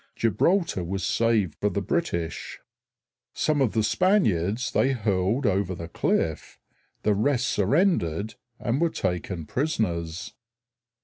Gibraltar was saved for the British. Some of the Spaniards they hurled over the cliff; the rest surrendered and were taken prisoners.